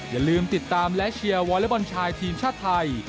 อย่าลืมติดตามและเชียร์วอเล็กบอลชายทีมชาติไทย